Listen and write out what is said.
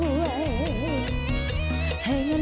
เตรียมพับกรอบ